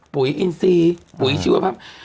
อินซีปุ๋ยชีวภาพ